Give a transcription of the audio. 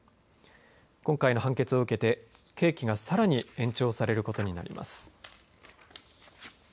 今回の判決を受けて刑期がさらに延長されることになります。